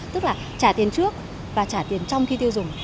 tức là trả tiền trước và trả tiền trong khi tiêu dùng